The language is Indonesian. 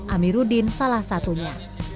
amirudin salah satunya